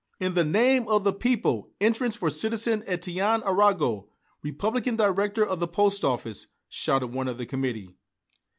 "In the name of the people, entrance for Citizen Étienne Arago, Republican director of the post office!" shouted one of the committee.